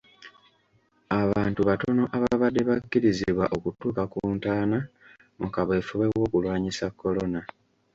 Abantu batono ababadde bakkirizibwa okutuuka ku ntaana mu kaweefube w'okulwanyisa korona.